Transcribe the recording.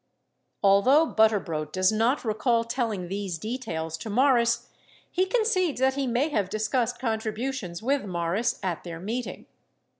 54 Although Butterbrodt does not recall telling these details to' Mor ris, he concedes that he may have discussed contributions with Morris at their meeting.